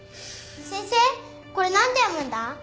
先生これ何て読むんだ？